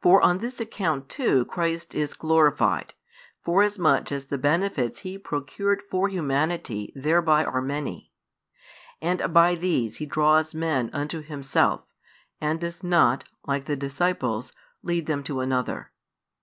For on this account too Christ is glorified, forasmuch as the benefits He procured for humanity thereby are many. And by these He draws men unto Himself, and does not, like the disciples, lead them to another.